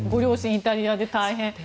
イタリアで大変。